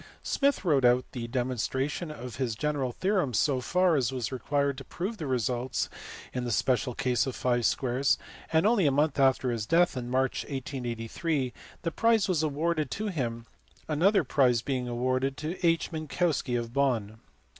Smith wrote out the demonstration of his general theorems so far as was required to prove the results in the special case of five squares, and only a month after his death, in March 1883, the prize was awarded to him, another prize being also awarded to H. Minkowski of Bonn.